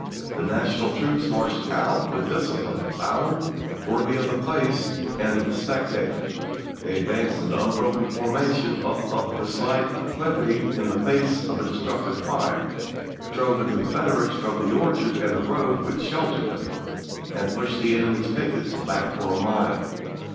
The national troops marched out with disciplined valor, worthy of the place and the spectators; they ad vanced in unbroken formation up the slight acclivity in the face of a destructive fire, drove the Confeder ates from the orchard and the grove which sheltered them, and pushed the enemy's pickets back for a mile.